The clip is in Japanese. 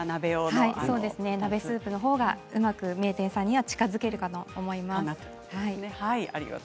鍋スープの方がうまく名店さんに近づけるかと思います。